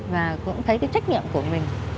và cũng thấy cái trách nhiệm của mình